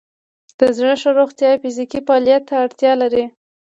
د زړه ښه روغتیا فزیکي فعالیت ته اړتیا لري.